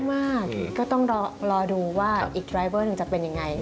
มากก็ต้องรอดูว่าอีกรายเบอร์หนึ่งจะเป็นยังไง